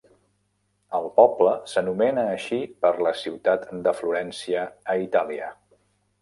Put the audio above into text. El poble s'anomena així per la ciutat de Florència a Itàlia.